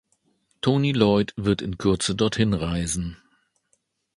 Tony Lloyd wird in Kürze dorthin reisen.